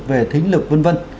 về thính lực v v